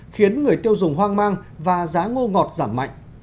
khiến người tiêu dùng hoang mang và giá ngô ngọt giảm mạnh